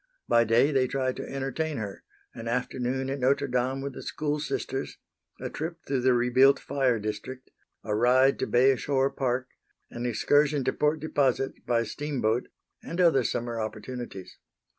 By day they tried to entertain her an afternoon at Notre Dame with the school Sisters, a trip through the rebuilt fire district, a ride to Bay Shore Park, an excursion to Port Deposit by steamboat and other summer opportunities.